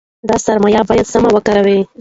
دا سرمایه باید سمه وکاروو.